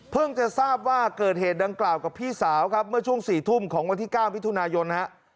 จะทราบว่าเกิดเหตุดังกล่าวกับพี่สาวครับเมื่อช่วง๔ทุ่มของวันที่๙มิถุนายนฮะ